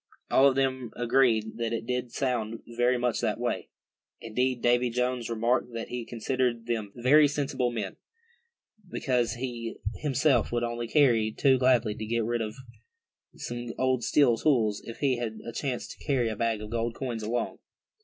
All of them agreed that it did sound very much that way. Indeed, Davy Jones remarked that he considered them very sensible men, because he himself would only too gladly get rid of some old steel tools, if he had a chance to carry a bag of gold coins along.